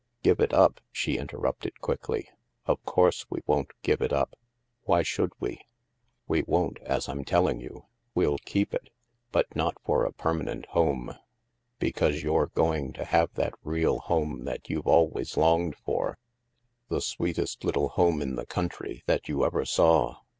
"Give it up?" she interrupted quickly.. "Of course we won't give it up. Why should we? "" We won't, as I'm telling you. We'll keep it. HAVEN 323 but not for a permanent home. Because you're go ing to have that real home that you've always longed for ; the sweetest Uttle home in the country that you ever saw."